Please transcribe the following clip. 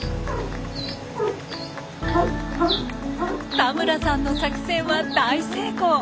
田村さんの作戦は大成功。